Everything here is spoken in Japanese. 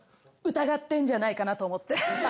疑ってんじゃないかなと思って。